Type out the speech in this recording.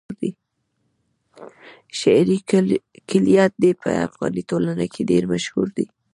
شعري کلیات يې په افغاني ټولنه کې ډېر مشهور دي.